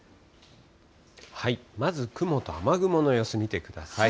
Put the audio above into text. まず雲と雨雲の様子、見てください。